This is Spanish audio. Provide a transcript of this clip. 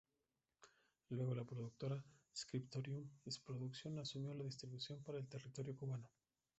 Luego la productora Scriptorium Productions asumió su distribución para el territorio cubano.